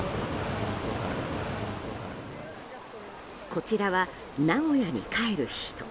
こちらは名古屋に帰る人。